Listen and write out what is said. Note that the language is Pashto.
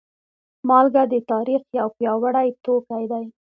مالګه د تاریخ یو پیاوړی توکی دی.